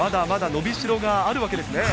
伸びしろがあるわけですね？